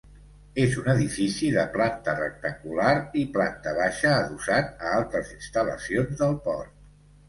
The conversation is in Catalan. És un edifici de planta rectangular i planta baixa adossat a altres instal·lacions del port.